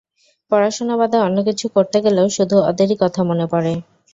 পড়াশোনা বাদে অন্য কিছু করতে গেলেও শুধু ওদেরই কথা মনে পড়ে।